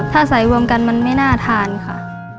ถ้าใส่รวมกันมันไม่น่าทานค่ะ